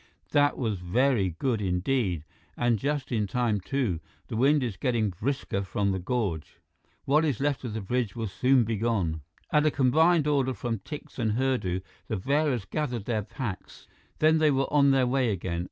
"That was very good, indeed. And just in time, too. The wind is getting brisker from the gorge. What is left of the bridge will soon be gone." At a combined order from Tikse and Hurdu, the bearers gathered their packs. Then they were on their way again.